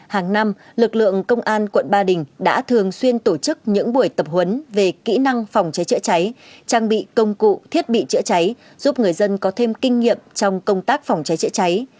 hàng năm lực lượng công an quận ba đình đã thường xuyên tổ chức những buổi tập huấn về kỹ năng phòng cháy chữa cháy trang bị công cụ thiết bị chữa cháy giúp người dân có thêm kinh nghiệm trong công tác phòng cháy chữa cháy